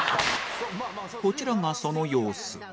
こちらがその様子